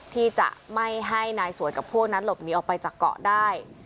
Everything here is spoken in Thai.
ที่จะไม่ให้นายสวยกับพวกนั้นหลบหนีออกไปจากเกาะได้